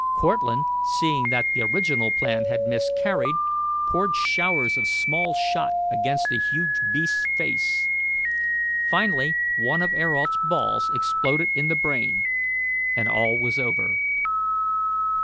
Cortlandt, seeing that the original plan had miscarried, poured showers of small shot against the huge beast's face. Finally, one of Ayrault's balls exploded in the brain, and all was over.